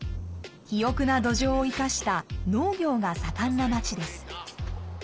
肥沃な土壌を生かした農業が盛んな町です。